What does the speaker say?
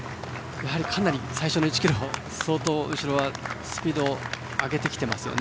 最初の１ｋｍ相当、後ろはスピード上げてきていますよね。